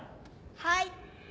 はい。